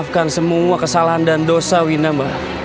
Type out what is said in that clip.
maafkan semua kesalahan dan dosa wina mbak